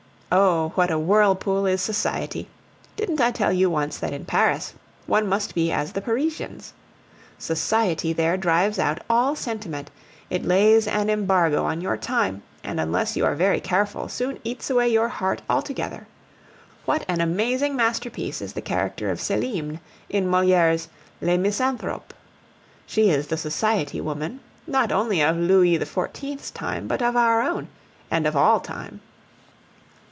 Oh! what a whirlpool is society! Didn't I tell you once that in Paris one must be as the Parisians? Society there drives out all sentiment; it lays en embargo on your time; and unless you are very careful, soon eats away your heart altogether. What an amazing masterpiece is the character of Celimene in Moliere's Le Misanthrope! She is the society woman, not only of Louis XIV.'s time, but of our own, and of all, time.